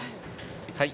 はい！